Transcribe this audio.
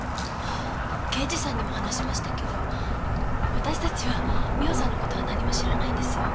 刑事さんにも話しましたけど私たちは美帆さんの事は何も知らないんです。